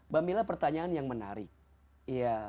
bhamila pertanyaan yang menarik